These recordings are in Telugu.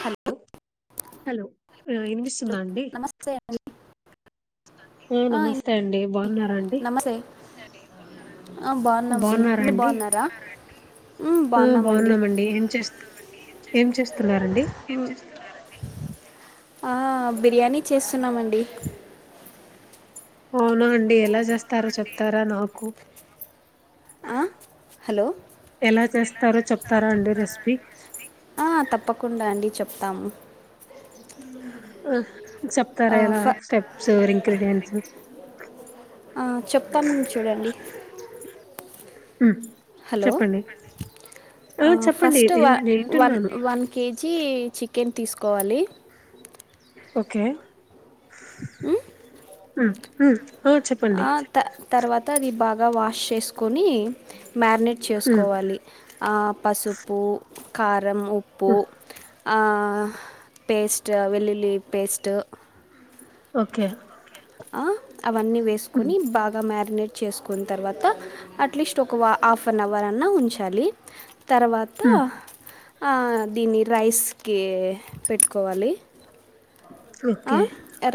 హలో హలో ఆ ఇనిపిస్తుందా అండి నమస్తే అండి ఆ నమస్తే అండి బాగున్నారా అండి నమస్తే ఆ, బాగున్నామండి బాగున్నారా మీరు అండి బాగున్నారా ఆ బాగున్నామండి ఏం చేస్త ఏం చేస్త తిన్నారండి ఆ బిర్యానీ చేస్తున్నామండి అవునా అండి ఎలా చేస్తారో చెప్తారా నాకు ఆ, హలో ఎలా చేస్తారో చెప్తారా అండి రెసిపీ తాము ఆ ఆ, చెప్తారా ఎలా ఫ- స్టెప్స్ రింక్రిడియంట్స్ ఆ, చెప్తాం చూడండి హలో ఆ చెప్పండి ఫస్ట్ నేను వన్ వన్ వింటున్నాను వన్ కేజీ చి కెన్ తీసుకోవాలి ఓకే ఉమ్ ఉం హు ఆ త తర్వాత అది బా గా వాష్ చేసుకొని మ్యారినేట్ ఉమ్, చేసుకోవాలి ఆ పసుపు కారు రం ఉప్పు ఉమ్, ఆ పేస్ట్ వెళ్లుల్లి పేస్ట్ ఓకే ఆ అవన్నీ ఉమ్, వేసుకొని బాగా మారి మినట్ చేసుకున్న తర్వాత అట్లీస్ట్ ఒక హాఫ్ అన్ అవర్ అన్నా ఉంచాలి తర్వాత ఉమ్, దీన్ని రైస్కి పెట్టుకోవాలి ఆ ఓకే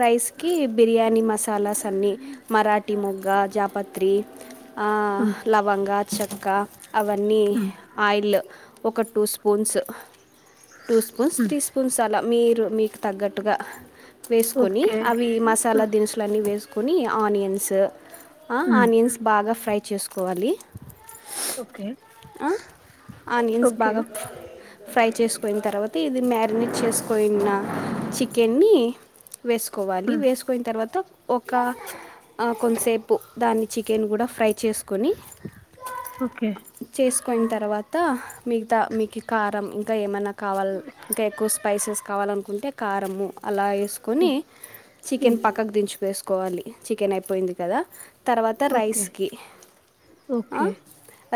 రైస్ కి బిర్యానీ మసాలాస్ అన్నీ మరాఠీ మొగ్గ జాపత్రి ఆ ఉమ్, లవంగాలు చెక్క అవన్నీ ఉమ్, ఆయిల్లొ ఒక టూ స్పూన్స్ టూ స్పూన్స్ ఉమ్, త్రీ స్పూన్స్ అలా మీరు మీకు తగ్గట్టుగా వేసుకొని ఓకే అవి ఉమ్, మసాలా దినుసులన్నీ వేసు కొన్ని ఆనియన్స్ ఉమ్ ఆనియన్స్ బాగా ఫ్రై చేసుకోవాలి ఓకే ఆనియన్స్ ఓకే బాగా ఫ్రై చేసుకుయి తర్వాత తే ఇది మ్యారినేట్ చేసుకుయిన చికెన్ని వేసుకోవాలి ఉమ్ వేసుకొయిన తర్వాత ఒక కొంతసేపు దాన్ని చికెన్ కూడా ఫ్రై చేసుకొని ఓకే కొయిన తర్వాత మిగతా మీకి కారం ఇంకా ఏమన్నా కావల్ ఇంకా ఎక్కువ స్పైసెస్ కావాలనుకు ఉంటే కారము అలా ఏ సుకొని ఉమ్, చికెన్ ఉమ్, పక్కకు దించిపేసు కోవాలి చికెన్ అయిపోయింది కదా తర్వాత ఓకే రైస్ కి ఆ ఓకే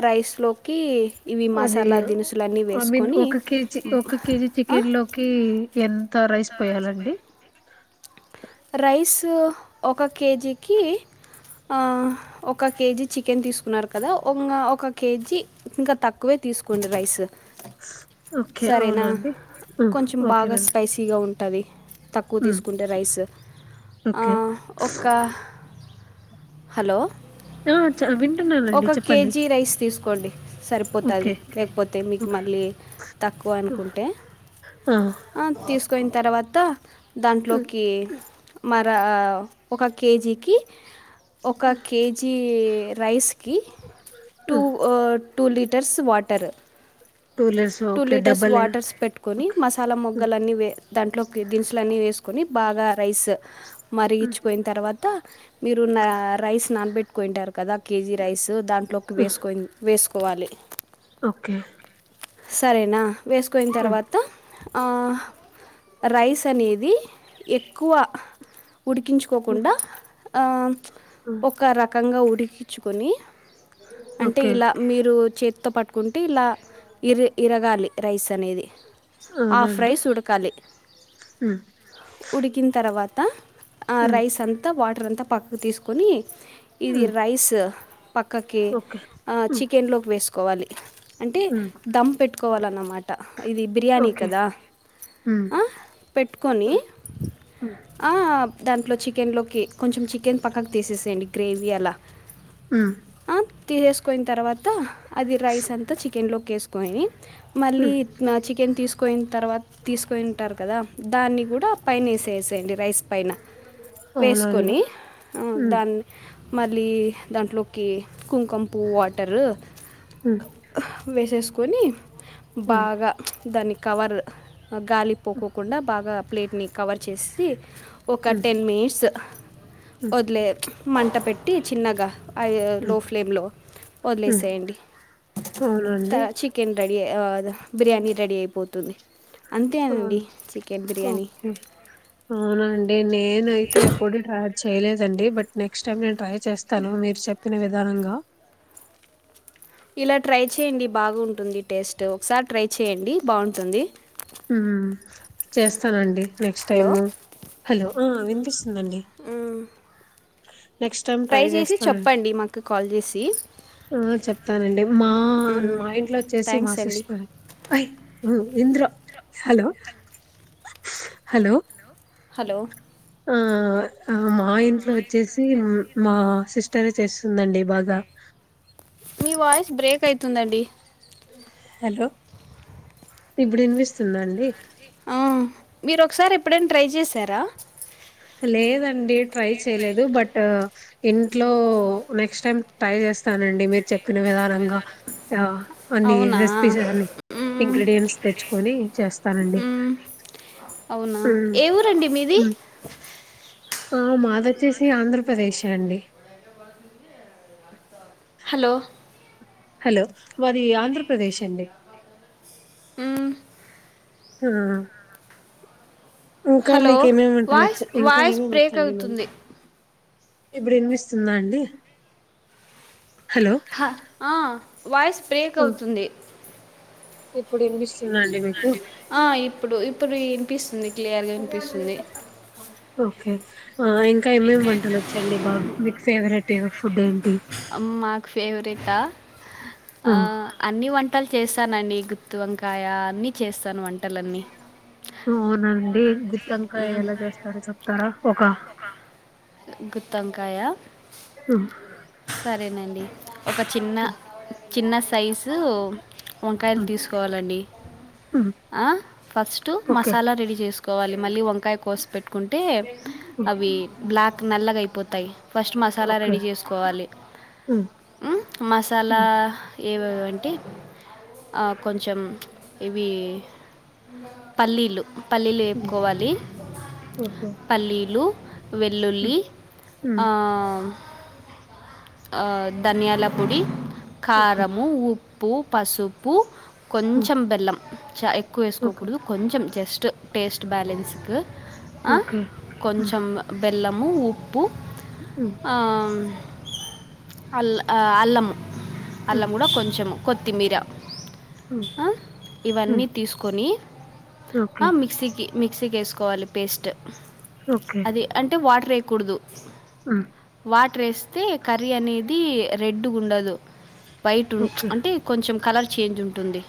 రైస్ లోకి అది ఐ మీన్ ఒక కేజీ ఒక కేజీ ఆ, చికెన్ లోకి ఎంత రైస్ పొయ్యాలండి రైస్ ఒక కేజీకి ఆ ఒక కేజీ చికెన్ తీసుకున్నారు కదా ఒంగ ఒక కేజీ ఇంకా తక్కువే తీసుకోండి రైస్ ఓకే సరేనా అవునండి ఉ ఓకేనండి టది తక్కువ ఉమ్, తీసుకుంటే రైస్ ఆ ఓకే ఒక్క హలో [unintelligible] వింటున్నానండి ఒక చెప్పండి కేజీ రైస్ తీసుకోండి ఓకే సరిపోతాది లేకపోతే మీకు మళ్ళీ తక్కువ అనుకుంటే ఆ తీసుకోయిన తరవాత ఉమ్, దాంట్లోకి మర ఒక కేజీకి ఒక కేజీ ఈ రైస్ కి టూ ఉమ్, ఓ two litres water two litres two okay litres double waters పెట్టుకొని ఓకే మసాలా ఉమ్, మొగ్గలన్నీ వే దాంట్లో దినుసులన్నీ వేసుకొని బాగా రైస్ ఉమ్, మరిగిచ్చుపోయిన తరవాత మీరు నా రైస్ నానబెట్ కొయింటారు కదా కేజీ రైస్ దాంట్లోకి ఉమ్, వేసుకొయిన్ వేసు కోవాలి ఓకే సరేనా వేసుకోయిన ఉమ్, తరవాత రైస్ అనేది ఎక్కువ ఉమ్, ఉడికించుకోకుండా ఆ ఉమ్, ఒక రక్ కంగా ఉడికిచ్చుకొని అంటే ఓకే ఇలా మీరు చే తో పట్టుకుంటే ఇలా ఇర్ ఇరగాలి రైస్ అనేది హాఫ్ అవునండి రైస్ ఉడకాలి ఉమ్, ఉడికిన తరవా త ఆ ఉమ్, రైస్ అంతా వాట్ ట్ర్ అంతా పక్కకు తీసుకొని ఇది ఉమ్, రైస్ పక్కకి ఆ ఓకే చికెన్ లోకి వేసు కోవాలి అంటే ఉమ్ దమ్ పెట్టు కోవాలన్నమాట ఇది బిర్యానీ ఓకే కదా ఉమ్ హా పెట్టుకొని ఉమ్ ఉమ్ దాంట్లో చికెన్లోకి కొంచెం చికెన్ పక్కకు తీసేసేయండి గ్రేవీ అలా హు తీసేసుకోయిన తర్వాత అది రైస్ అంత చికెన్ లోకి ఎసుకొని మళ్ళీ ఉమ్, చికెన్ తీసు కోయిన తర్వాత తీసుకుంటారు కదా దాన్ని కూడా పైన వేసేసేయండి రైస్ పైన అవునండి వేసుకొని ఉమ్ దాన్ని మళ్ళీ దాంట్లోకి కుంకం పువ్వు వాటరు హు వేసేసుకొని బాగా దానికి కవరు గాలి పోకోకుండా బాగా ప్లేట్ ని కవర్ చేసేసి ఒక ఉమ్ టెన్ మిట్స్ ఉమ్ వదిలేయా మంట పెట్టి చిన్నగా హై లో ఉమ్ ఫ్లేమ్లో ఉమ్ వదిలేసేయండి అవునండి ఆ అది బిర్యానీ రెడీ అయిపోతుంది అంతేనండి అవును చికెన్ బిర్యానీ ఓకే అవునా అండి నేనయితే ఎప్పుడు టార్ చేయలేదండి బట్ నెక్ట్ టైమ్ నేను ట్రే చేస్తాను మీరు చెప్ప చెప్పిన విధానంగా ఇలా ట్రై చేయండి బాగుంటుంది టేస్ట్ ఒకసారి ట్రై చేయండి బాగుంటుంది హు చేస్తానండి నెక్స్ట్ టైము హలో ఆ వినిపిస్ ఊ [inaudible] నెక్స్ట్ టైం ట్రై చేస్తానండి మాకు కాల్ చేసి చెప్తానండి మా మ్మ్. మా ఇంట్లో వచ్చేసి మా థ్యాంక్స్ సిస్ అండి అయ ఇంద్ర హలో హలో హలో ఆ మా ఇంట్లో వచ్చేసి మా సిస్టరే చేస్తుందండి బాగా మీ వాయిస్ బ్రేక్ అయితుందండి హలో ఇప్పుడు వినిపిస్తుంద అండి మీరు ఒకసారి ఎప్పుడైనా ట్రై చేశారా లేదం నుండి ట్రై చేయలేదు బట్ ఇంట్లో నెక్స్ట్ టైమ్ ట్రై చేస్తానండి మీరు చెప్పిన విధానంగా అన్ని అవునా రెసిపీస్ అ మ్మ్. ఇంగ్రీడియంట్స్ తెచ్చుకొని చేస్తానండి మ్మ్. అవునా ఏ ఊరండి [inaudible] ఆ మాది వచ్చేసి ఆంధ్రప్రదేశే అండి హలో హలో మాది ఆంధ్రప్రదేశ్ అండి అవు హ ఇంకా హలో మీకేమేమి వంటాలచ్చ వాయిస్ ఇంకా వాయిస్ ఏమేవ బ్రేక్ వచ్చండి మీ అవుతుంది ఇప్పుడు విన్మిస్తుందా అండి హలో హ ఆ వాయిస్ బ్రేక్ ఆ! అవుతుంది ఇప్పుడు వి ఆ ఇప్పుడు ఇప్పుడు పిస్ తుంది స అన్నా ఓకే ఇంకా ఏమేమి వంటలు వచ్చండి బాగా మీకు ఫేవరెట్ ఫుడ్ ఏంటి మాకు ఫేవరెట్ అ ఆ అన్ని వంటలు చేస్తానండి గుత్తి వంకాయ అన్నిీ చేస్తాను అంట అవునండి గుత్తు వంకాయ ఎలా జ చేస్తారు చెప్తారా ఒక గుత్తమ్ కాయా ఉమ్, సరేనండి ఒక చిన్న ఉమ్, చిన్న సైజు వంకాయలు ఉమ్, తీసుకోవాలండి ఉమ్, అ ఫస్టు ఓకే మసాలా రెడీ చేసుకోవాలి మళ్ళీ వంకాయ కోసిపెట్ ఉమ్, ట్ మె ఓకే [inaudible] ల ఉమ్, మసాలా ఉమ్, ఏవ అంటే కొంచెం ఇవి పల్లీలు పల్లీలు ఉమ్, వేపుకోవాలి ఓకే పల్లీలు వెల్లుల్లి ఉమ్, ఉమ్, ధనియాల పొడి ఓకే కారము ఉప్పు పప్పు పసుపు ఉమ్, కొంచెం బెల్లం చాయి కు ఓకే ఏసుకోకూడదు కొంచెం జస్ట్ టేస్ట్ బాలన్సు కు అ ఓకే ఉమ్, కొంచం బెల్లం నువు ప్పు ఉమ్, ఆ అల్ ఆ అల్లము అలా ఉమ్, కూడా కొంచము కొత్తిమీర ఉమ్, ఉమ్, ఇవన్నీ తీసుకొని ఆ ఓకే మిక్సికి మిక్సీకి వేసుకోవాలి పేస్ట్ అదే అంటే వాటర్ ఎ కు కూడుదు ఆ వాట రేస్ అ కర్రీ అనేది రెడ్డు ఉండదు వైట్ ఉ ఓకే అంటే కొంచెం కలర్ చేంజ్ ఉంటుంది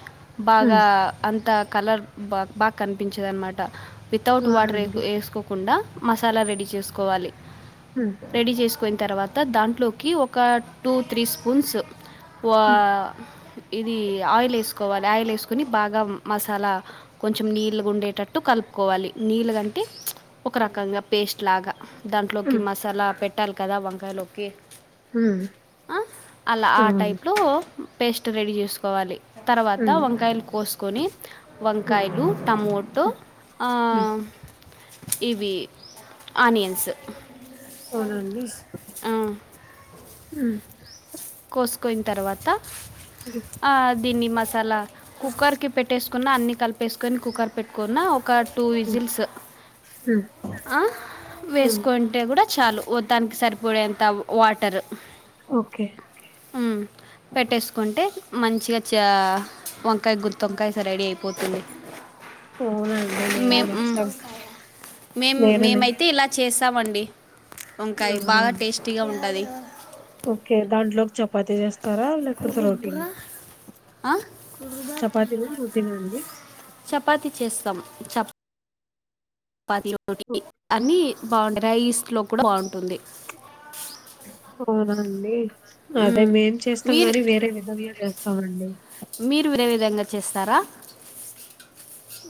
బాగా ఉమ్, అంతా కలర్ బా బాగా కనిపించేది అన్నమాట వితౌట్ వాటర్ వ అవునండి వేసుకోకుండా మసాలా రెడీ చేసుకోవాలి ఉమ్, రెడీ చేసుకున తర్వాత తర్త దాంట్లోకి ఒక టూ త్రీ స్పూన్స్ వా ఉమ్, ఇది ఆయిల్ వేసుకోవాలి ఆయిల్ వేసుకొని బాగా మసాలా కొంచెం నీళ్ళగా ఉండేటట్టు కలుపుకోవాలి నీళ్ళుగాంటే ఒక రకంగా పేస్ట్ లాగా దాంట్లోకి ఉమ్. మసాలా పెట్టాలి కదా వంక కలో ఓకే హ్మ్ ఆ అలా ఆ అవును. టైప్ లో పేస్ట్ రడీ చేసుకు కోవాలి తర్వాత హ్మ్. వంకాయలు కోసు కొని హ్మ్. వంకాయలు టమోటో హ్మ్. హ్మ్. ఇవి ఆనియన్స్ అవునండి ఆ హ కోసుకోయిన తర్వాత హ్మ్. ఆ దిని మగ్ అసలా కుక్కర్ కి పెట్టేసుకున్న అన్ని కలిపి కలిపేసుకొని కుక్కర్ పెట్టుకున్న ఒక టూ హ్మ్. విజిల్స్ హ్మ్. హ్మ్. వేసుకుంటే కూడా చాలు దానికి సరిపోయేంత వాటర్ ఓహ్ పెట్టేసుకుంటే మంచిగా చ వంకాయ గుర్తువంకాయ రెడీ అయిపోతుంది అవునండి. మే నేను నెక్స్ట్ టైమ్ మేం నేను నె మేమైతే ఇలా చేస్త వస్తామని వంకాయ బాగా అవునండి. టేస్టీగా ఉంటది ఓకే దాంట్లోకి చపాతి జస్త హా చపాతీనా? రోటీనా అండి? చపాతి చేస్తాం చెప్ చపాతి ఓహ్! అన్ని బాగుండేయి రైస్ లోకి కూడా బాగుంటుంది అవునండి అదే మ్మ్. మేం చేస్తాం మీరు గానీ వేరే విధంలో చేస్తామండి మీరు వేరే విధంగా చేస్తారా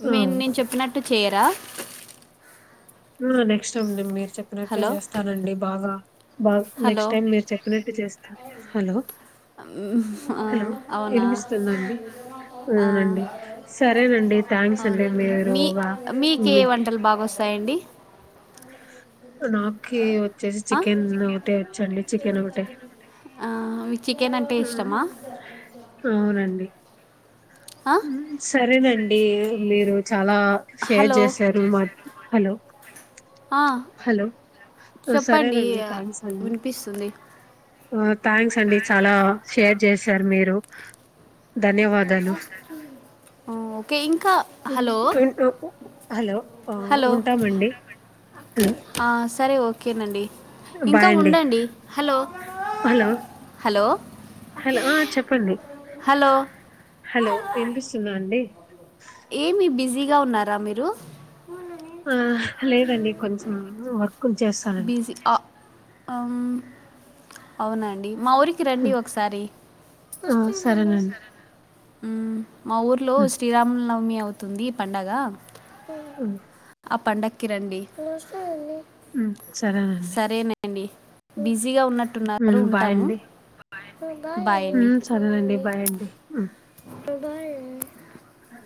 ఆ! మేం నేను చెప్పినట్టు చేయరా నెక్స్ట్ అండి మీరు చెప్పినట్టే హలో చేస్తానండి బాగా బా హలో నెక్స్ట్ టైం మీరు చెప్పినట్టు చేస్తారు హలో మ్మ్. ఆ, హలో అవునా వినిపిస్తుందండి ఆ, అవునండి సరేనండి థ్యాంక్స్ అండి అవునండి మీరు మీ మీకు ఏ వంటలు బాగా వస్తాయండి [inaudible] నాకి వచ్చేసి ఆ? చికెన్ ఒకటే వచ్చండి చికెన్ ఒకటే ఆ మీ ఉమ్ అవునండి ఆ? ఉమ్ సరేనండి మీరు చాలా షేర్ హలో చేశారు మా హలో ఆ హలో! చెప్పండి సరేనండి. థ్యాంక్స్ అండి. వినిపిస్తుంది ఆ థ్యాంక్స్ అండి చాలా షేర్ చేశారు మీరు ధన్యవాదాలు ఆ, ఓకే ఇంకా హలో హలో హలో ఉంటామండి హలో! ఆ సరే సరే ఓకే నండి బాయ్ అండి హలో హలో హలో చెప్పండి హలో హలో వినిపిస్తుందా అండి ఏమి బిజీగా ఉన్నారా మీరు ఆ లేదండి కొంచెం వర్క్ కొంచేస్తానండి ఉమ్ అవునండి మా ఊరికి రండి హ్మ్. ఒకసారి ఆ! సరేనండి. ఉమ్ మా ఊర్లో హ్మ్. శ్రీరాముల నవమియ అవుతుంది పండగ హ్మ్. ఆ పండ క్కి రండి ఉమ్ సరేనండి బిజి బిజీగా ఉన్నట్టున్నారు ఉంటాము బాయ్ బాయ్ అండి హమ్ బాయ్ సరేనండి బాయ్ అండి [unintelligible] అ